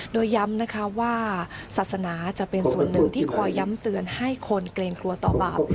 โดยย้ำนะคะว่าศาสนาจะเป็นส่วนหนึ่งที่คอยย้ำเตือนให้คนเกรงกลัวต่อบาป